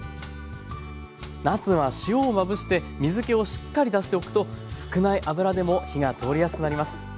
なすは塩をまぶして水けをしっかり出しておくと少ない油でも火が通りやすくなります。